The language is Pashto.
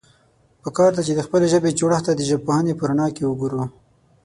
پکار ده، چې د خپلې ژبې جوړښت ته د ژبپوهنې په رڼا کې وګورو.